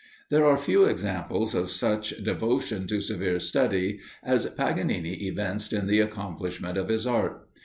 There are few examples of such devotion to severe study as Paganini evinced in the accomplishment of his art.